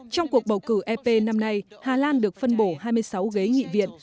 trong cuộc bầu cử ep năm nay hà lan được phân bổ hai mươi sáu ghế nghị viện